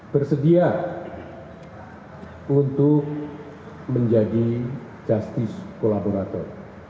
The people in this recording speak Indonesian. bersedia untuk menjadi justice collaborator